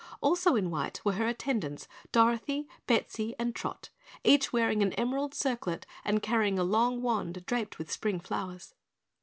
Also in white were her attendants, Dorothy, Bettsy, and Trot, each wearing an emerald circlet and carrying a long wand draped with spring flowers.